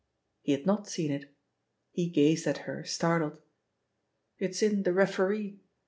He had not seen it; he gazed at her, startled. "It's in The Referee.